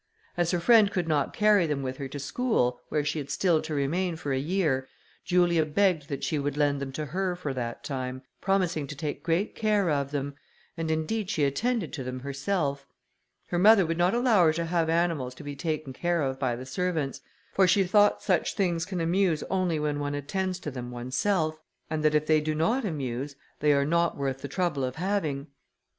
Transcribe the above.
As her friend could not carry them with her to school, where she had still to remain for a year, Julia begged that she would lend them to her for that time, promising to take great care of them; and, indeed, she attended to them herself. Her mother would not allow her to have animals to be taken care of by the servants, for she thought such things can amuse only when one attends to them oneself, and that if they do not amuse, they are not worth the trouble of having.